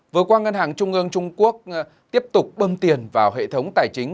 vừa qua ngân hàng trung ương trung quốc tiếp tục bơm tiền vào hệ thống tài chính